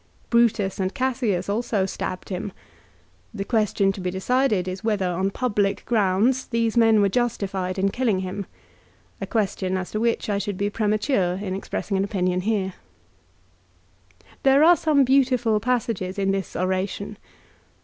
Brutus and Cassius also stabbed him. The question to be decided 1 " Pro Ligario," L MARCELLUS, LIGARIUS, AND DEIOTARUS. 183 is whether on public grounds these men were justified in killing him, a question as to which I should be premature in expressing an opinion here. There are some beautiful passages in this oration.